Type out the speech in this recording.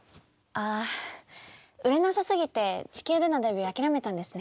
ああ売れなさすぎて地球でのデビュー諦めたんですね。